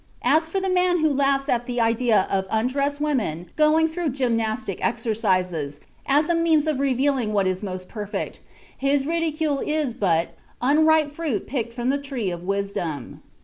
As for the man who laughs at the idea of undressed women going through gymnastic exercises, as a means of revealing what is most perfect, his ridicule is but 'unripe fruit plucked from the tree of wisdom.'"